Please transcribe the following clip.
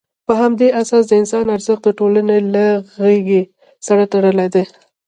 په همدې اساس، د انسان ارزښت د ټولنې له غېږې سره تړلی دی.